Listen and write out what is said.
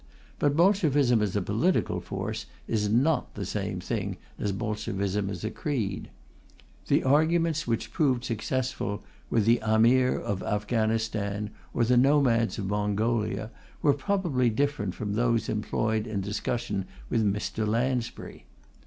But Bolshevism as a political force is not the same thing as Bolshevism as a creed. The arguments which proved successful with the Ameer of Afghanistan or the nomads of Mongolia were probably different from those employed in discussion with Mr. Lansbury.